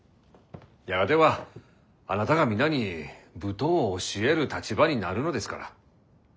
やがてはあなたが皆に舞踏を教える立場になるのですから。